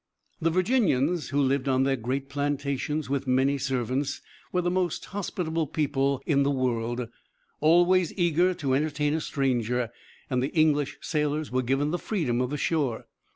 The Virginians, who lived on their great plantations with many servants, were the most hospitable people in the world, always eager to entertain a stranger, and the English sailors were given the freedom of the shore.